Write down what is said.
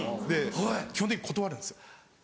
基本的に断るんですよ。